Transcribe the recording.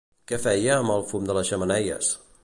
Què feia amb el fum de les xemeneies?